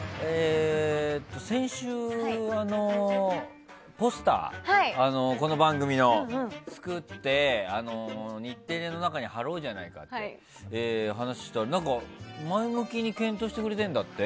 先週、ポスターこの番組のを作って、日テレの中に貼ろうじゃないかという話をしたら、何か、前向きに検討してくれてるんだって？